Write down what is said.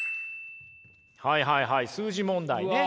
はいはいはい数字問題ね。